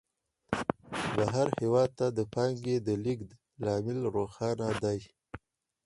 بهر هېواد ته د پانګې د لېږد لامل روښانه دی